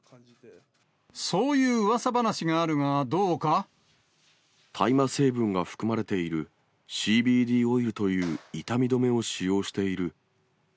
そういううわさ話があるが、大麻成分が含まれている、ＣＢＤオイルという痛み止めを使用している。